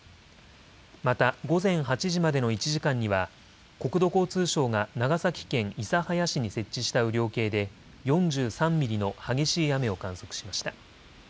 また午前８時までの１時間には国土交通省が長崎県諫早市に設置した雨量計で４３ミリの激しい雨を観測しました。